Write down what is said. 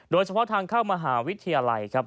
โดยเฉพาะทางเข้ามหาวิทยาลัยครับ